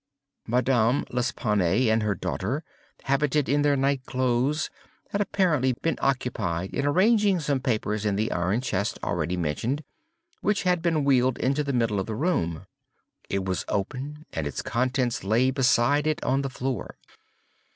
Madame L'Espanaye and her daughter, habited in their night clothes, had apparently been occupied in arranging some papers in the iron chest already mentioned, which had been wheeled into the middle of the room. It was open, and its contents lay beside it on the floor.